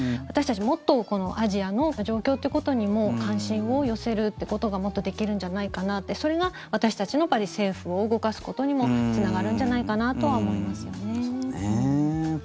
私たち、もっとこのアジアの状況ということにも関心を寄せるということがもっとできるんじゃないかなってそれが私たちの政府を動かすことにもつながるんじゃないかなとは思いますよね。